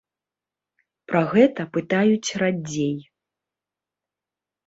Пра гэта пытаюць радзей.